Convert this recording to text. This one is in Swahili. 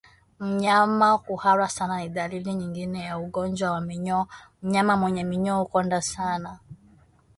Mnyama kuhara sana ni dalili nyingine ya ugonjwa wa minyoo Mnyama mwenye minyoo hukonda sana